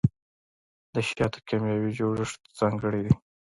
د شاتو کیمیاوي جوړښت ځانګړی دی.